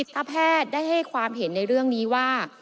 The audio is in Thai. ถ้าแพทย์ได้ให้ความเห็นในเรื่องนี้ว่า